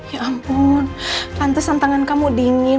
ya ampun pantesan tangan kamu dingin